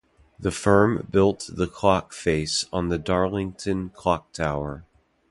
The firm built the clock face on the Darlington clock tower.